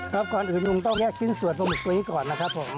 ก่อนอื่นลุงต้องแยกชิ้นส่วนปลาหมึกตัวนี้ก่อนนะครับผม